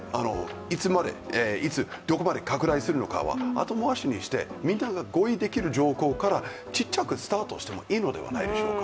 いつ、どこまで拡大するのかは後回しにして、みんなが合意できる条項からちっちゃくスタートしてもいいのではないでしょうか。